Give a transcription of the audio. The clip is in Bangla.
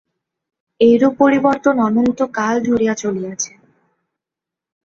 এইরূপ পরিবর্তন অনন্তকাল ধরিয়া চলিয়াছে।